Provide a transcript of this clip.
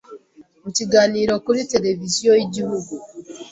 Mu kiganiro kuri Televiziyo y’Igihugu,